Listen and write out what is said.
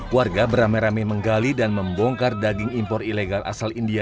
warga beramai ramai menggali dan membongkar daging impor ilegal asal india